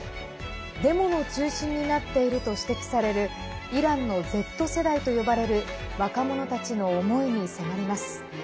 デモの中心になっていると指摘されるイランのＺ世代と呼ばれる若者たちの思いに迫ります。